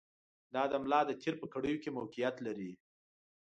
دا د ملا د تېر په کړیو کې موقعیت لري.